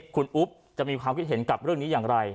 คุณอุ๊บจะมีความคิดเห็นกับเรื่องนี้อย่างไร